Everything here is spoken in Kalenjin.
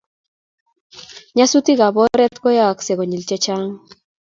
Nyasutikab oret koyayaksei konyil che chang